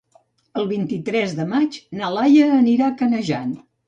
El vint-i-tres de maig na Laia anirà a Canejan.